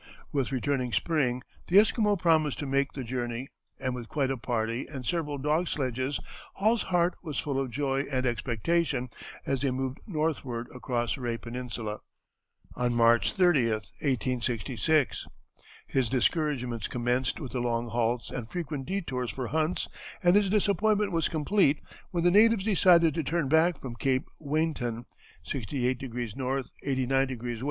With returning spring the Esquimaux promised to make the journey, and with quite a party and several dog sledges Hall's heart was full of joy and expectation as they moved northward across Rae Peninsula, on March 30, 1866. His discouragements commenced with the long halts and frequent detours for hunts, and his disappointment was complete when the natives decided to turn back from Cape Weynton, 68° N., 89° W.